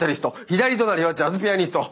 左隣はジャズピアニスト。